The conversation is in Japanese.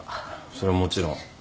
それはもちろん。